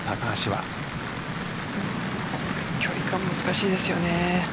距離感が難しいですよね。